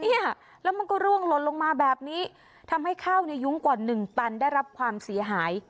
เนี่ยแล้วมันก็ร่วงหล่นลงมาแบบนี้ทำให้ข้าวในยุ้งกว่าหนึ่งตันได้รับความเสียหาย